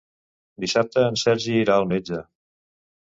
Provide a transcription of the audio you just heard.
Dissabte en Sergi irà al metge.